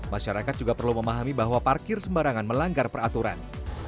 masyarakat juga perlu memahami bahwa parkir sembarangan melanggar peraturan